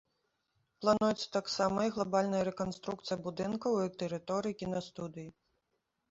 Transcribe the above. Плануецца таксама і глабальная рэканструкцыя будынкаў і тэрыторый кінастудыі.